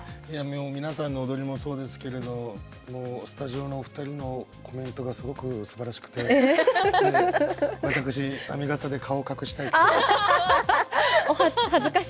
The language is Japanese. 皆さんの踊りもそうですけどスタジオのお二人のコメントがすごくすばらしくて私、編みがさで顔を隠したいです。